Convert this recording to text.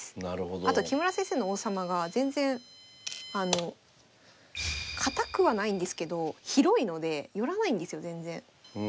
あと木村先生の王様が全然あの堅くはないんですけど広いので寄らないんですよ全然。